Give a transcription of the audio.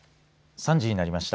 ３時になりました。